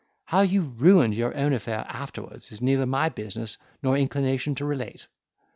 How you ruined your own affair afterwards, it is neither my business nor inclination to relate."